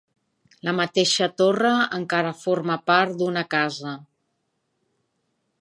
La mateixa torre encara forma part d'una casa.